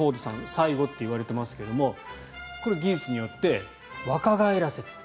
最後と言われていますがこれ、技術によって若返らせている。